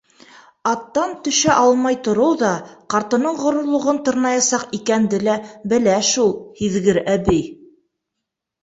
Аттан төшә алмай тороу ҙа ҡартының ғорурлығын тырнаясаҡ икәнде лә белә шул һиҙгер әбей.